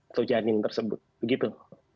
atau janin tersebut begitu